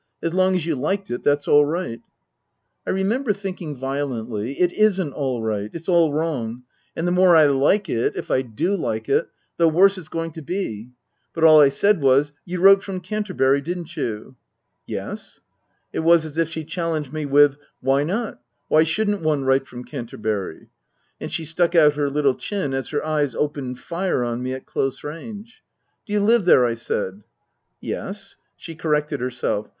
As long as you liked it, that's all right." I remember thinking violently : "It isn't all right. It's all wrong. And the more I like it (if I do like it) the worse it's going to be." But all I said was, " You wrote from Canterbury, didn't you ?"" Yes." It was as if she challenged me with " Why not ? Why shouldn't one write from Canterbury ?" And she stuck out her little chin as her eyes opened fire on me at close range. " Do you live there ?" I said. " Yes." She corrected herself.